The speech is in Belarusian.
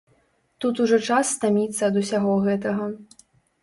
Тут ужо час стаміцца ад усяго гэтага.